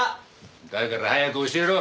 だから早く教えろ！